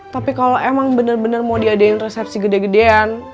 tapi kalau emang bener bener mau diadain resepsi gede gedean